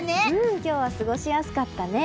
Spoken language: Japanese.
今日は過ごしやすかったね。